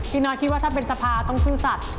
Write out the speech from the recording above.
น้อยคิดว่าถ้าเป็นสภาต้องซื่อสัตว์